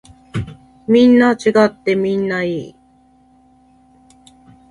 みんな違ってみんないい。